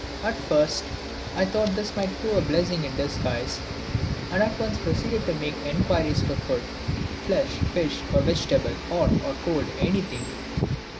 At first I thought this might prove a blessing in disguise, and at once proceeded to make inquiries for food: flesh, fish or vegetable, hot or cold, anything!